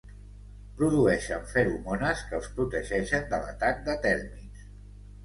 Produeixen feromones que els protegeixen de l'atac de tèrmits.